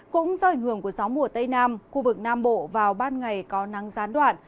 cũng do ảnh hưởng của gió mùa tây nam khu vực nam bộ vào ban ngày có nắng gián đoạn